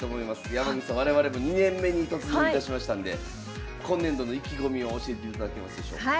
山口さん我々も２年目に突入いたしましたんで今年度の意気込みを教えていただけますでしょうか。